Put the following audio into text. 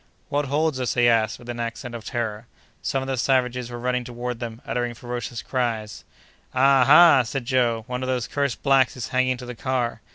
"What holds us?" he asked, with an accent of terror. Some of the savages were running toward them, uttering ferocious cries. "Ah, ha!" said Joe, "one of those cursed blacks is hanging to the car!"